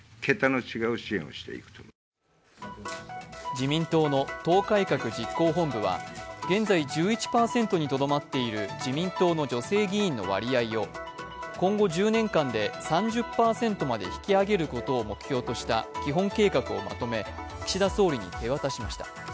自民党の党改革実行本部は現在１１％にとどまっている自民党の女性議員の割合を今後１０年間で３０％まで引き上げることを目標とした基本計画をまとめ、岸田総理に手渡しました。